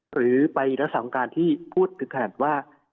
หรือไปละศาลงการที่พูดถือค่างหลังว่า